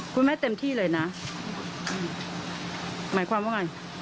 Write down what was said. คุณแม่เต็มที่เลยนะหมายความว่าไง